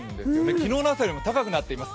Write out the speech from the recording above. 昨日の朝よりも高くなっています。